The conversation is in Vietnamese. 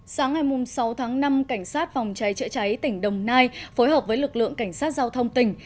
sáng ngày sáu tháng năm cảnh sát phòng cháy chữa cháy tỉnh đồng nai phối hợp với lực lượng cảnh sát giao thông tỉnh